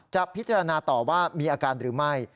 จะพิจารณาต่อว่ามีอาการหรือไม่